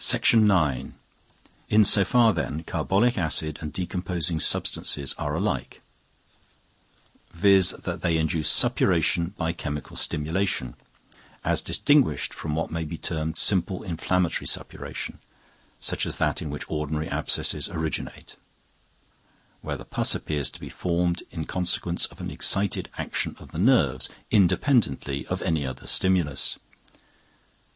In so far, then, carbolic acid and decomposing substances are alike; viz., that they induce suppuration by chemical stimulation, as distinguished from what may be termed simple inflammatory suppuration, such as that in which ordinary abscesses originate where the pus appears to be formed in consequence of an excited action of the nerves, independently of any other stimulus.